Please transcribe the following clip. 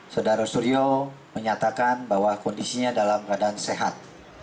saudara suryo menyatakan bahwa kondisinya dalam keadaan sehat